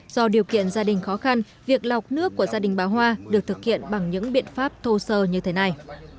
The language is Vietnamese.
do điều kiện gia đình khó khăn việc lọc nước của gia đình bà hoa được thực hiện bằng những biện pháp thô sơ như thế này